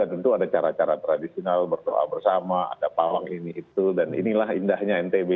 tentu ada cara cara tradisional berdoa bersama ada pawang ini itu dan inilah indahnya ntb